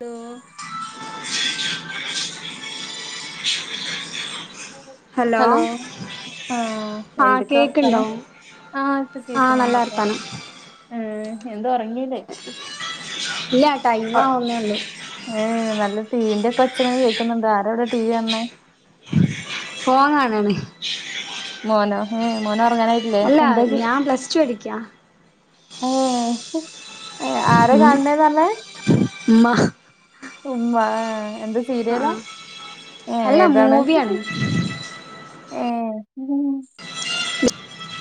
Hello ശ hello ആഹ ആഹ് എന്തൊക്കാ കേക്ക്ണ്ടോ വർത്താനം ആഹ ഇപ്പൊ ആഹ് നല്ല കേക്കുന്നുണ്ട്ട്ടോ വർത്താനം എന്താ ഒറങ്ങീല്ലേ ഇല്ല ടൈം ആവുന്നേ ഉള്ളൂ ഏ നല്ല ടി വിന്റെറെ ഒക്കെ ഒച്ചനെ കേക്കുന്നുണ്ട് ആരവിടെ ടി വി ആണ്ണ ഫോൺ കാണാണ് മോനോ ഏ മോനോ ഉറങ്ങാനായിട്ടില്ലേ അല്ല എന്താ ചെയ്യ ഞാൻ പ്ലസ് ടു പഠിക്കാ ഏ ആര കാണണേന്ന് പറഞ്ഞ മ്മ ഇമ്മ ഏ എന്ത് സീരിയലാ ഏ അല്ല ഏതാണ് മൂവിയാണ് ഏ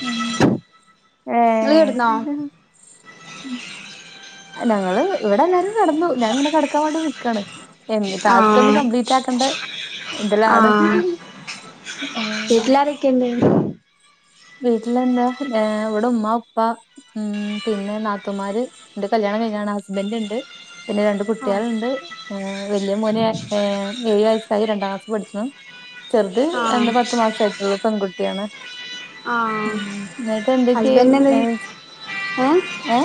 ഉം ങ്ങൾ എവിടുന്നാ ഉ ഞങ്ങള് ഇവിടെ എല്ലാരും നടന്നു ഞാൻ ഇങ്ങനെ കിടക്കാൻ വേണ്ടി നിക്കാണ് എ ടാസ്ക് ഒന്ന് ആഹ് കംപ്ലീറ്റ് ആക്കേണ്ട തിലാണ് ആഹ് ആ വീട്ടിലാരൊക്കെണ്ട് വീട്ടിലെന്താ ഇവിടെ ഉമ ഉപ്പ ഉ പിന്നെ നാത്തമാര് എന്റെ കല്യാ ണ് ഹസ്ബൻന്റ് ഉണ്ട് പിന്നെ രണ്ട ആഹ് കുട്ടികളുണ്ട് ഏ വലിയ മോനെ ഏ ഏഴു വയസ്സായി രണ്ടാം ക്ലാസ്സ് പഠിച്ചണ ചെറുത് എന്താ ആഹ് പത്ത മാസയിട്ടുള്ള പെൺകുട്ടിയാണ് ആഹ് ഉ എന്നിട്ട് എന്തൊക്കെയ ഹസ്ബൻഡ് എന്ത് ഏ ഏ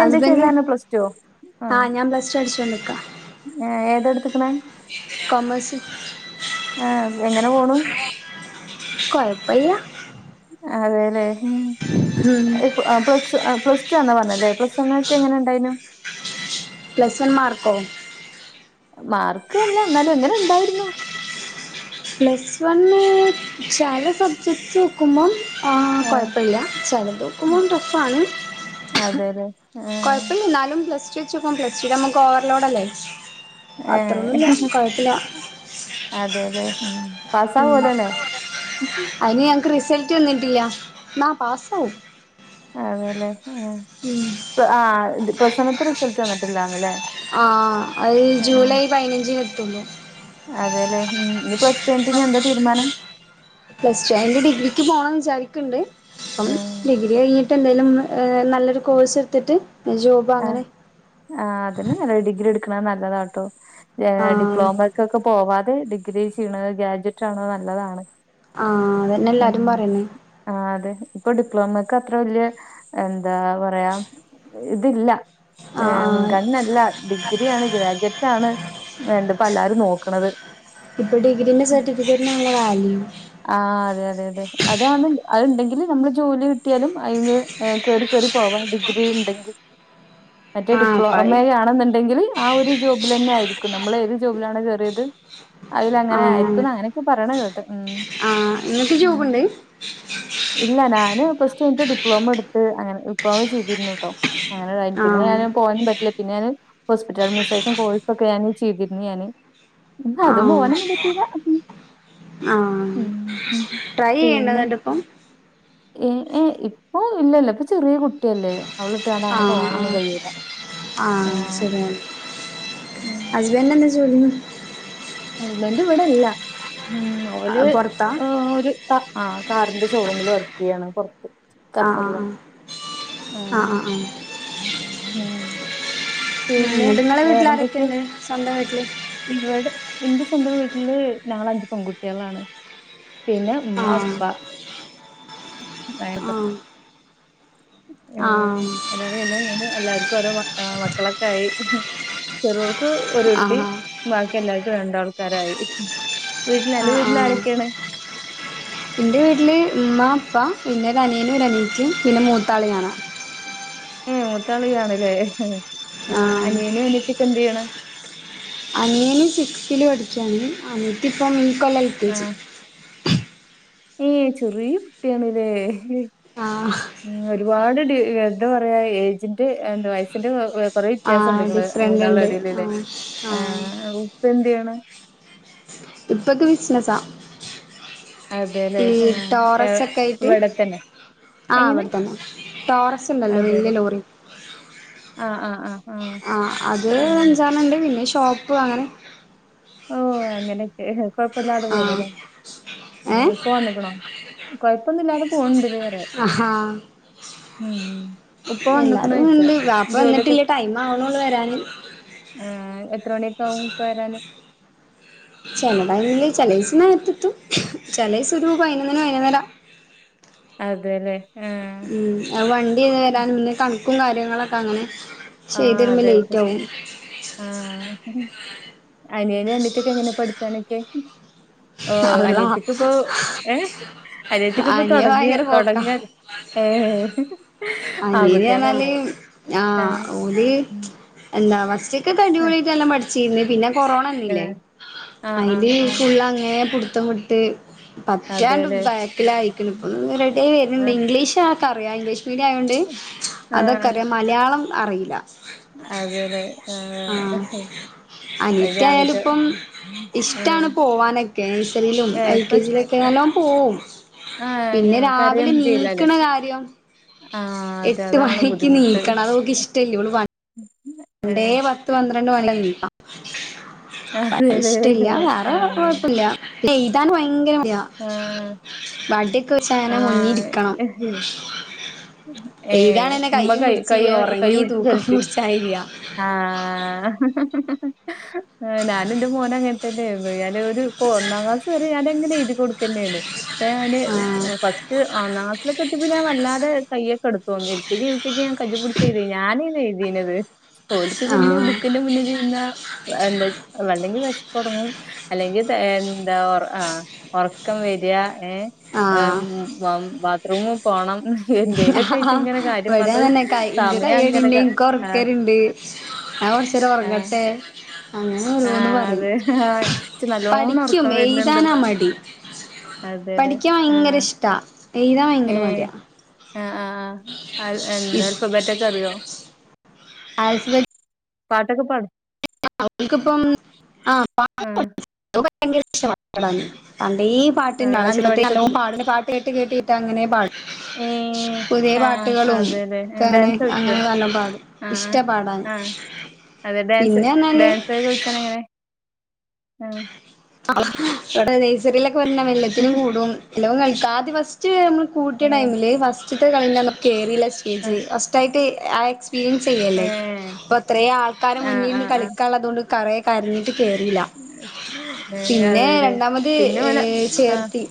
ഹസ്ബന്റ് ആ ഞാൻ പ്ലസ് ടു പടിച്ചോണ്ട്ക്ക എ ഏതെട്ത്ത്ക്ക്ണെ കൊമേസ് ആ എങ്ങനെ പോണു കൊഴപ്പല്ല അതെല്ലേ ഉം അപ്പൊ സ് അപ്പൊ സ് റ്റന്ന പറഞ്ഞല്ലേ പ്ലസ് വണ്ണോക്കെ എങ്ങനെ ണ്ടായ്നു പ്ലസ് വൺ മാർക്കോ മാർക്കല്ല എന്നാലും എങ്ങനെ ണ്ടായിര്ന്നു പ്ലസ് വൺ ചല സബ്ജെക്ട്സ് ഉക്കുമാം ആഹ് കുഴപ്പമില്ല ചല ദക്കുമ്പും ടഫാണ് അതെല്ലേ ആഹ് കുഴപ്പില്ല ന്നാലും പ്ലസ് ടു വച്ചുക്കും പ്ലസ് ടു നമുക്ക് ഓവർലോഡ് അല്ലേ ഏഹ് അത്രൊന്നുംല്ല കൊഴപ്പില്ല അതെല്ലേ ഉം ഉ പാസ്സാവോലോല്ലേ അതിന് ഞങ്ങക്ക് റിസൽ റ്റന്നിട്ടില്ല നാ പാസഔ് അതേല്ലേ ആ ആ പ്ലസ്നത്തെ റിസൾട്ട് വന്നിട്ടില്ലന്നല്ലേ ആ അത് ജൂലൈ പതിനഞ്ചിന് എത്തള്ളൂ അതേല്ലെ ഉം ഇനി പ്ലസ്ടഴഞ്ഞിട്ട് എന്താ തീരുമാനം പ്ലസ് ടു അന്റെ ഡിഗ്രിക്ക് പോകണംന്ന് വിചാരിക്കണ്ട് അപ്പം ഏഹ് ഡിഗ്രി കഴിഞ്ഞിട്ട് എന്തായാലും നല്ലൊരു കോഴ്സ് എടുത്തിട്ട് ജോബ് അങ്ങനെ ആ അതിന് നല്ല ഡിഗ്രി എടുക്കണ നല്ലതാ കേട്ടോ ഏ ആ ഡിപ്ലോമക്കൊക്കെ പോവാ ഡിഗ്രി ചെയ്യണ ഗ്രാജുവേറ്റ് ആണത് നല്ലതാണ് ആഹ അതന്നെ എല്ലാരും ഉം പറയണേ ആഹ് അതെ ഇപ്പൊ ഡിപ്ലോമക്ക് അത്ര വലിയ എന്താ പറയാ ഇതില്ല ആ ഏ ആ മുൻഗണനല്ല ഡിഗ്രി ആണ് ഗ്രാജുവേറ്റ് ആണ് വേണ്ടപ്പ എല്ലാരും നോക്കണത് ഇപ്പൊ ഡിഗ്രീന്റെ സർട്ടിഫിക്കറ്റ് കാല ആ അതെ അതെ അതെ അതാണ് അതണ്ടെങ്കിൽ നമ്മള് ജോലി കിട്ടിയാലും അതില് കേറി പോവണ ഡിഗ്രി ഉണ്ടെങ്കിൽ ആ മറ്റേ ഡിപ്ലോമ ആണെന്നുണ്ടെങ്കിൽ ആ ഒരു ജോബിൽ തന്നെ ആയിരിക്കും നമ്മൾ ഏത് ജോബിലാണോ ചെറിയത് അതിൽ അങ്ങനെ ആഹ് ആയിരിക്കുംന്ന് അങ്ങനെയൊക്കെ പറയണ കേട്ടെ ഉ ആഹ് ഇങ്ങക്ക് ജോബിണ്ട് ഇല്ല ഞാന് പ്ലസ്ടു കഴിഞ്ഞ് ഡിപ്ലോമ എടുത്ത് അനെ ഡിപ്ലോമ ചെയ്തിരുന്നു ട്ടോ അങ്ങനെ ആഹ് പിന്നെ പോൻ പറ്റില്ല പിന്നേന് ഹോസ്പിറ്റൽ അഡ്മിനസ്ട്രേഷൻ കോഴ്സ് ഒക്കെ ഞാന് ചെയ്തിരുന്നു ഞാന് എന്ത അത്പോവാനൊന്നും പറ്റൂല ആഹ ഉം ട്രൈ ചെയ്യണ്ട പിന്നെ എന്നിട്ട്പ്പം ഏ ഏ ഇപ്പൊ ഇല്ലല്ലോ ഇപ്പൊ ചെറിയ കുട്ടിയല്ലേ അവളിട്ടാണ്ട് അങ്ങനെ ആഹ് പോകാനൊന്നും ആഹ് കഴിയില്ല ആ ഹസ്ബെൻന്ന ജോലി ആസ്ബൻഡ് ഇവിടെല്ല ഉം ഒൽ പൊറത്താ ഒരു സാ ആഹ് കാറിന്റെ ഷോറൂമിൽ വർക്ക് ചെയ്യാണ് പൊറത്ത് കത്തറില ആഹ് ആഹ് ഉം ആഹ് ആഹ് ആഹ് ആഹ് പിന്നെ എന്നിട്ട് നിങ്ങളെ വീട്ടിൽ വേറെന്തൊക്കെ ആരൊക്കെയുണ്ട് സ്വന്തം വീട്ടില് ഇവിടെ എന്റെ സ്വന്തം വീട്ടില് നാലഞ്ച് പെൺകുട്ടികളാണ് പിന്നെ മ്മ ആഹ് ഉപ്പ [unintelligible] ആഹ എല്ലാവരും എല്ലാം കും എല്ലാവർക്കുംഓ മക്കളൊക്കെ ആയി ചെറൾ ഒരുട്ടി ആഹ് ബാക്കി എല്ലാർക്കും രണ്ടാൾക്കാരായി വീട്ടിലല്ല വീട്ടിൽ ആാരൊക്കെയാണ് എന്റെറെ വീട്ടില് ഉമ്മ അപ്പ പിനൊരു അനിയനും ഒരനിയത്തിയും പിന്നെ മൂത്താൾ ഞാനാ മൂത്താളിയ്യാണില്ലെ ആഹ് അനിയനും അനീത്തിയൊക്കെ എന്ത് ചെയ്യണ അനിയന് സിക്സ്തില് പഠിക്കാണ് അനിത്തിപ്പം ഇകൊല്ലം എൽകെജി ആഹ് ഏ ചെറിയ കുട്ടിയണല്ലേ ആഹ് ഉം ഒരുപാട് ട് എന്താ പറയാ ഏജിന്റെ എന്തുവ വയസ്സിന്റെ കൊ കൊറെ വെത്യാസണ്ട് ആഹ് ങ്ങള് ഡിഫറന്റ് ഉണ്ട് മൂന്നാളടയിലേ ല്ലേ ആഹ് ആഹ് ഉപ്പ എന്ത് ചെയ്യണ് ഉപ്പക്ക് ബിസിനസ്സാ അതെല്ലേ ഈ ആഹ് ടോറസ് ഏഹ് ഒക്കെ ആയിറ്റ് ഇവിടെ തന്നെ ആഹ് എങ്ങനെ അവിടെ തന്നെ ടോറസ്ണ്ടല്ലോ വല്യ അതെല്ലേ ലോറി ആഹ് ആഹ് ആഹ് ആഹ് അത് അങ്ങനെ അഞ്ചാറ്ണ്ണണ്ട് പിന്നെ ഷോപ്പ് അങ്ങനെ ഓഹ് അങ്ങനെക്കെ കൊയ് പ്പില്ലാതെ ആഹ് പോണൂല്ലേ ഉം ഏഹ് ഇപ്പൊ വന്നക്ണോ കൊയ്പ്പൊന്നുല്ലാതെ പോണ്ണ്ടില്ലേ ആഹ് ഹ ഉപ്പ വന്ന്ക്ക്ണ്യിച്ച വാപ്പ ജോലിയൊക്കെ വന്നിട്ടില്ല ടൈം ആവണുള്ളൂ വരാന് ഉം എ ത്രണിക്കവും പ്പ വരാന് ചെല ബാങ്കില് ചിലെസം നേത്തെത്തും ചിലെസം ഒരു പൈനൊന്നിന് പൈനൊന്നര അതെല്ലേ ആ ഉം വണ്ടിന്ന് വരാൻ പിന്നെ കണക്കും കാര്യങ്ങളക്കെ അങ്ങനെ ആഹ് ചെയ്തിടുമ്പോ അതെയോക്കെ ലേറ്റ് ഷേ ആവും ആഹ് അനിയനും അനിയത്തിക്കെ എങ്ങനെ പഠിച്ചാനൊക്കെ ഓഹ് അള്ളാ അനിത്തിക്ക് ഇപ്പൊ ഏഹ് അനിയത്തിക്ക് ഇപ്പൊ അനിയൻ തൊടങ്ങിയ ഭയങ്കര പോക്കാ തൊടങ്ങാൻ ഏഹ് ഏഹ് [unintelligible] അനിയന് പറഞ്ഞാല് ആൺകുട്ടികളല്ലേ ആഹ് ഓല് എന്താ ഫസ്റ്റ് ക്കെ ഏ അടിപൊളിട്ട് എല്ലാം പഠിച്ചിന്ന് പിന്നെ ഏ, കൊറോണന്നില്ലേ ആ ആ അയില് ആ ഫുള്ള് അങ്ങെ പുട്ത്തം വിട്ട് പക്ഷേണ്ട് അതേലേ ബാക്കിലായിക്കുണ് ഇപ്പൊന്ന് റെഡിയായി വര്ണ്ണ്ട് ഇംഗ്ലീഷ് ആക്ക് അറിയാം ഇംഗ്ലീഷ് മീഡ്യായൊണ്ട് അതൊക്കെ അറിയാം മലയാളം അറിയില്ല അതേല്ലെ ആഹ് അഹ് അനിയത്തി ആയാല് ഇപ്പം ആഹ് ഇഷ്ടാണ് പോവാന കേനിഷറിയിലും ഏഹ് എൽ ഇപ്പ കെ ഇഷ് ജിയിലൊക്കെ എല്ലാം പോവും. ആഹ് പിന്നെ ഏഹ് രാവിലെ കറിയൊന്നും ചെയ്യില്ലാല്ലേ നീക്ണ കാര്യം ആഹ് അതെ എട്ട് അതാണ് മണിക്ക് ബുദ്ധിമുട്ട് നീക്കണം. അഹ് ഓക്ക് ഇഷ്ടല്ല്യ ഓള് വ ണ്ടേ ഏഹ് പത്ത് പന്ത്രണ്ട മണിലാ നീക്കാ. പ്പറ്റ അതെല്ലേ ഇഷ്ടല്യ വേറെ ഓ ആഹ് കുഴപ്പില്ല്യ എയ്താന് വയങ്കര മട്യ. ആഹ് വാഡി ത്തു ച്ചേനെ ആഹ് മുന്നിരിക്കണം. ഏഹ് എഴുതാണെന്നെ ഉമ്മ കൈയും കൈ പിടിച്ച് കൈ കൈ ഉറങ്ങി പിടിച്ച് തൂക്കം ഹെൽപ് പിട്ച്ചായ്ര്യ. ആഹ് നാന് എന്റെ മോനങ്ങൻതന്നെ ആയിരുന്നു. ഞാന് ഒരു പ്പൊ ഒന്നാം ക്ലാസ് വരെ ഞാനങ്ങനെ എഴുതി കൊടുക്കന്നെണു. പ്പ യാന് ആഹ് ഫസ്റ്റ് ഒന്നാം ക്ലസിലൊക്കെ എത്തിപ്പോ ഞാ വല്ലാതെ കയ്യെക്കെടുക്കും എൽ കെജി, യുകെ ജി ഞാൻ കൈയ്യ് പിടിച്ച് എഴുതെഞ്. ഞാനേഞ് എഴുതീനത്. ഓൽക്ക് പിന്നെ ആഹ് ബുക്കിന്റെ മുന്നി നിന്നാ എന്താ വല്ലെങ്കിൽ വെഷ്പ്പൊടങ്ങും അല്ലെങ്കി തെ എന്താ ആഹ് ഒർക്കം വര ഏഹ് എഹ് ആഹ് ബ ബാത്റൂമു പോണം. എന്തേലൊക്കെ ആയിട്ട് ആ ഇങ്ങനെ കാര്യം ഇവിടെ പറഞ്ഞ് തന്നെ കൈക്ക് സമയം അങ്ങനെ കയ്യടിണ്ട് ഇനക്ക് ആഹ് ഉറക്കരുണ്ട് കുറച്ച് ആഹ് ഉറങ്ങട്ടെ അങ്ങനെ ഒരോന്ന് ആഹ് പറയും അതെ ആഹ് ഇച്ച് നല്ലോണം പഠിക്കും ഒറക്കം എഴുതാനാ വരുന്നുണ്ട്മ്മ മടി അതെല്ലേ പഠിക്കാൻ ആഹ് ഭയങ്കര ഇഷ്ടാ എഴുതാ ഭയങ്കര ഏഹ് മടിയാ ആഹ് ആഹ് ആഹ് എന്താ അൽഫബേറ്റൊക്കെ അറിയോ [inaudible] പാട്ടക്കെ പാടും അവൾക്കിപ്പം ആ ആഹ് ഭയങ്കര ഇഷ്ടവാ പാടാൻ പണ്ടേ പാട്ടിന്റെ ആഹ് ആളാ പക്ഷേ അംഗനവാടിക്കൊക്കെ നല്ലോണം പാടുന്ന കാട്ടി കേട്ട് കേട്ടിട്ട് അങ്ങനെ പാടും ഹേ പുതിയ ആ പാട്ടുകളും അതെ അതെ ഒക്കെ അങ്ങനെ ഡാൻസ് വിളിച്ചോ അങ്ങനെ നല്ലോം പാടും ആ ഇഷ്ടാ പാടാൻ ആ അതെ ഡാൻസ് പിന്നെന്നാല് ഡാൻസ് വിളിച്ചാന എങ്ങനെ ആ നഴ്സറിയിലൊക്കെ വര വെല്ലത്തിനും കൂടും എല്ലവും കളിക്കാെ ഫസ്റ്റ് നമ്മ കൂട്ടിയ ഏഹ് ടൈമില് ഫസ്റ്റ് കളി കറില്ല സ്റ്റേജ് ആഹ് ഫസ്റ്റ ആയിട്ട് ആ എക്പീരിയൻസ് ചെയ്യല്ലേ ഏഹ് എത്രേ ആൾക്കാരെ ആഹ് മുന്നിന്ന് ആഹ് ആഹ് കളിക്കാുള്ള അതുകൊണ്ട് കറയ കരഞ്ഞിട്ട് കയറിയില്ല ഏഹ് പിന്നെ അതെല്ലേ രണ്ടാമത് പിന്നെ ഓലെ ഏർ ചേർത്തി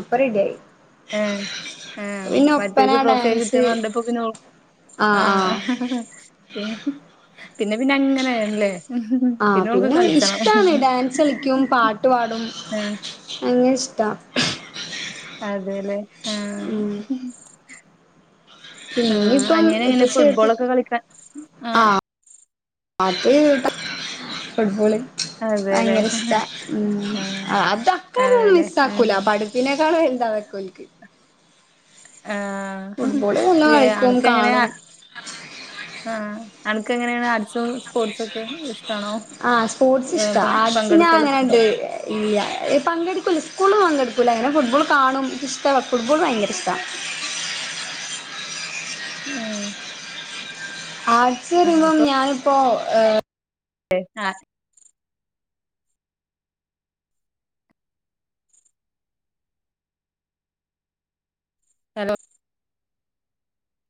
അപ്പ റെഡിയായി ആ ആ പിന്നെ ഒപ്പന മറ്റൊക്ക് ട്രോഫിയൊക്കെ ഡാൻസ് കിട്ടിയണ്ടപ്പൊ പിന്നെ ഓൾക്കും ആ ആഹ് ആഹ് പിന്നെ പിന്നെ അങ്ങനെയല്ലേ ആ ഓൾക്ക് പിന്നെ കളിച്ചണം ഇഷ്ടമാണ് ഡാൻസ് കളിക്കും പാട്ട് പാടും ആഹ് അങ്ങനെ ഇഷ്ടാ അതെല്ലേ ആ പിന്നയിപ്പം ഇപ്പ ചേട്ട് ഫുട്ബോളൊക്കെ കളിക്കാൻ ആ ആഹ് ആത് കട്ട ഫുട്ബോള് അതെല്ലേ ഭയങ്കര ഇഷ്ട ഉ ആഹ് അതക്കൊക്കെ അതെല്ലേ മിസ്സ ആക്കൂല ആഹ് പഠിപ്പിനേക്കാളും എന്താ വക്കല [unintelligible] ആ നല്ലോം കളിക്കും അനക്കെങ്ങനെയ കാണും ആ അനക്ക് എങ്ങനെയാണ് ആട്സും ആ സ്പോർട്സ് ഏ, ഇഷ്ട പങ്ക് ആർട്സ് ഞാൻ പങ്കെടുക്കലൊക്കെ ഉണ്ടോ അങ്ങനെണ്ട് ഇല്ല പങ്കെടുക്കല്ല സ്കൂള് പങ്കെടുക്കൂില്ല അങ്ങനെ ഫുട്ബോൾ കാണും ഇ ഇഷ്ടമാണ് ഫുട്ബോൾ ഭയങ്കര ഇഷ്ടമാണ് [inaudible] ഏഹ് ആർട്സ് വരുമ്പം ഞാനിപ്പോആ ഏ അ ആ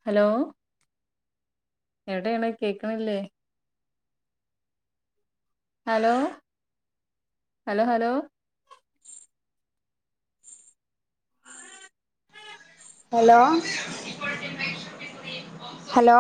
ഹലോ എടയണ കേക്കണില്ലേ hello hello hello hello hello